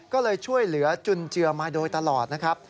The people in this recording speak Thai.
ก็เลยช่วยเหลือจุนเจือมาโดยตลอดนะครับ